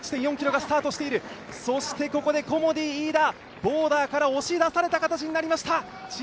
ここでコモディイイダ、ボーダーから押し出される形になりました。